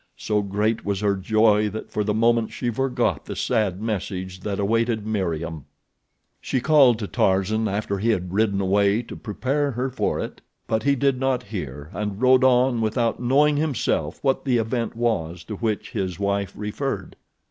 So great was her joy that for the moment she forgot the sad message that awaited Meriem. She called to Tarzan after he had ridden away to prepare her for it, but he did not hear and rode on without knowing himself what the event was to which his wife referred.